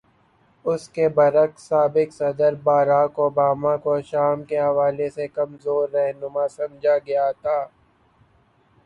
اس کے برعکس، سابق صدر بارک اوباما کو شام کے حوالے سے کمزور رہنما سمجھا گیا تھا۔